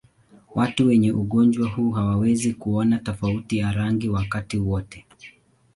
Watu wenye ugonjwa huu hawawezi kuona tofauti ya rangi wakati wote.